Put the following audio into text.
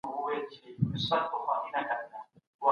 په کندهار کي صنعتي کار څنګه زده کېږي؟